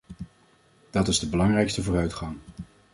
Dat is de belangrijkste vooruitgang.